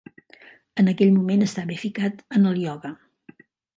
En aquell moment estava ficat en el ioga.